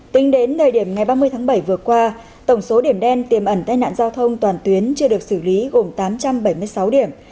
tính đến thời điểm ngày ba mươi tháng bảy vừa qua tổng số điểm đen tiềm ẩn tai nạn giao thông toàn tuyến chưa được xử lý gồm tám trăm bảy mươi sáu điểm